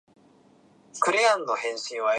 食事に合うのは甘くないのにおいしいから